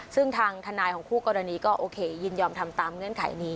ซึ่งทางทนายของคู่กรณีก็โอเคยินยอมทำตามเงื่อนไขนี้